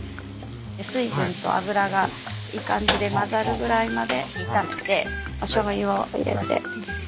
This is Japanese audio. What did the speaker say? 水分と油がいい感じでまざるぐらいまで炒めておしょうゆを入れて。